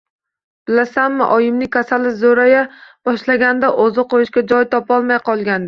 Bilasanmi, oyimning kasali zo`raya boshlaganida, o`zini qo`yishga joy topolmay qolgandi